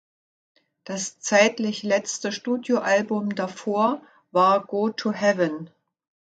Das zeitlich letzte Studioalbum davor war Go to Heaven.